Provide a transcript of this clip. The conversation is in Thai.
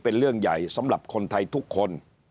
เป็นเรื่องใหญ่สำหรับคนไทยทุกคน